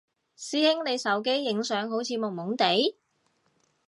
師兄你手機影相好似朦朦哋？